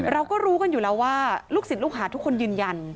เราก็รู้กันอยู่แล้วว่าลูกศิษย์ลูกหาทุกคนยืนยัน